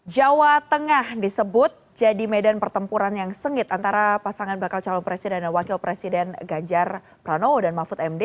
jawa tengah disebut jadi medan pertempuran yang sengit antara pasangan bakal calon presiden dan wakil presiden ganjar pranowo dan mahfud md